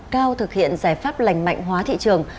cao thực hiện giải pháp lành mạnh hóa thị trường